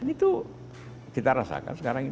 itu kita rasakan sekarang